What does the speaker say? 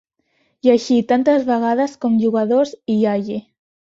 I així tantes vegades com jugadors hi hagi.